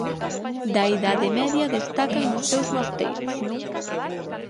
Da Idade Media destacan os seus mosteiros.